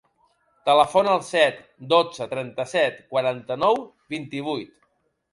Telefona al set, dotze, trenta-set, quaranta-nou, vint-i-vuit.